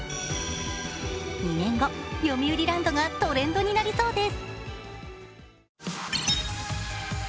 ２年後、よみうりランドがトレンドになりそうです。